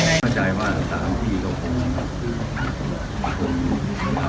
เราก็ได้ใจมาตามพี่โปรมาน